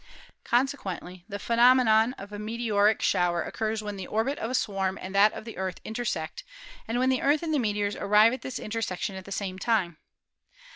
Conse quently the phenomenon of a meteoric shower occurs when the orbit of a swarm and that of the Earth intersect and when the Earth and the meteors arrive at this inter section at the same time.